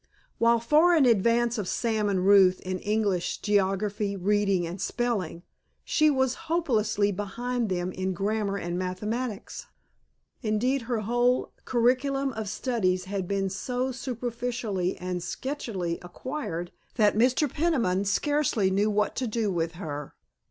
While far in advance of Sam and Ruth in English, geography, reading, and spelling, she was hopelessly behind them in grammar and mathematics. Indeed her whole curriculum of studies had been so superficially and sketchily acquired that Mr. Peniman scarcely knew what to do with her.